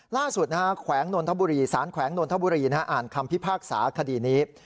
ล่าสุดสารแขวงนนทบุรีอ่านคำพิพากษาคดีนี้